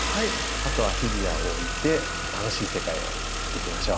あとはフィギュアを置いて楽しい世界を作っていきましょう。